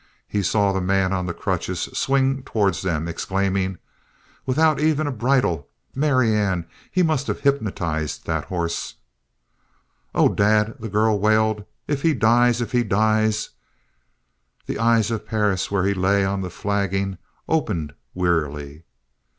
He saw the man on crutches swing towards them, exclaiming " without even a bridle! Marianne, he must have hypnotized that hoss!" "Oh, Dad," the girl wailed, "if he dies if he dies " The eyes of Perris, where he lay on the flagging, opened wearily.